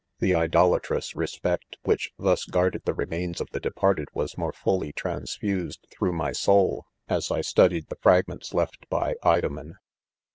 The idolatrous respect which thus guarded, the remains of the departed was more fully transfused through my soul, as I studied the fragments left by '; do men.'